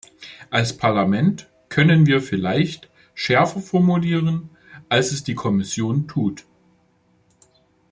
Als Parlament können wir vielleicht schärfer formulieren, als es die Kommission tut.